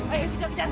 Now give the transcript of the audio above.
ayo kita kejar